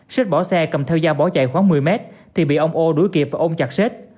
sức bỏ xe cầm theo dao bỏ chạy khoảng một mươi mét thì bị ông ô đuổi kịp và ôm chặt xếp